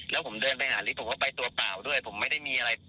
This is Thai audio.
แล้วผมเดินไปหาลิฟต์ผมก็ไปตัวเปล่าด้วยผมไม่ได้มีอะไร